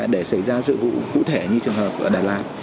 để xảy ra sự vụ cụ thể như trường hợp ở đà lạt